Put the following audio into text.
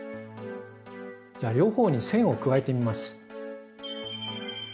じゃあ両方に線を加えてみます。